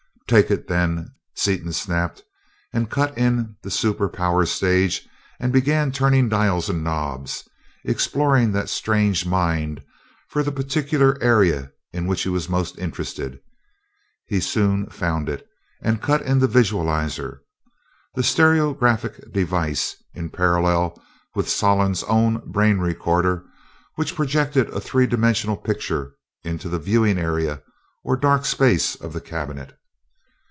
"Take it, then!" Seaton snapped, and cut in the super power stage and began turning dials and knobs, exploring that strange mind for the particular area in which he was most interested. He soon found it, and cut in the visualizer the stereographic device, in parallel with Solon's own brain recorder, which projected a three dimensional picture into the "viewing area" or dark space of the cabinet.